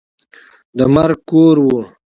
د مرګ کور وو.